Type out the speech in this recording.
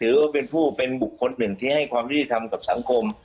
ถือว่าเป็นผู้เป็นบุคคลหนึ่งที่ให้ความยุติธรรมกับสังคม